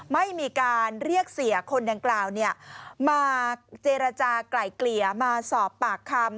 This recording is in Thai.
ไม่มีการเรียกเสียคนดังกล่าวมาเจรจากลายเกลี่ยมาสอบปากคำ